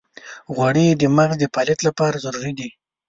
غوړې د مغز د فعالیت لپاره ضروري دي.